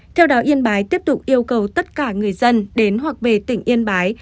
theo đó yên bái tiếp tục yêu cầu tất cả người dân đến hoặc về tỉnh yên bái